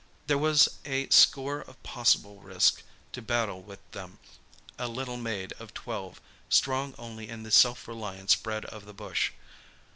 There was a score of possible risks; to battle with them, a little maid of twelve, strong only in the self reliance bred of the bush.